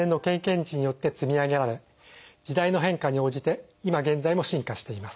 知によって積み上げられ時代の変化に応じて今現在も進化しています。